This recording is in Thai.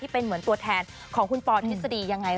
เป็นเหมือนตัวแทนของคุณปอทฤษฎียังไง